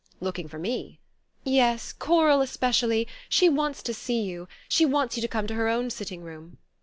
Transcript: "Looking for me?" "Yes. Coral especially... she wants to see you. She wants you to come to her own sitting room."